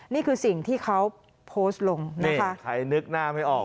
นี่คือสิ่งที่เขาโพสต์ลงนี่ถ้าใครนึกหน้าไม่ออก